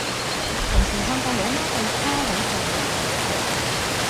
同時看到老媽對她好像女兒一樣